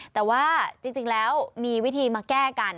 แต่ว่าจริงแล้วมีวิธีมาแก้กัน